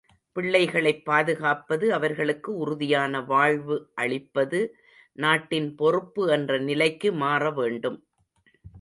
பிள்ளைகளைப் பாதுகாப்பது அவர்களுக்கு உறுதியான வாழ்வு அளிப்பது நாட்டின் பொறுப்பு என்ற நிலைக்கு மாறவேண்டும்.